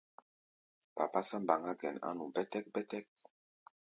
Papásá mbaŋá gɛn á nu bɛ́tɛ́k-bɛ́tɛ́k.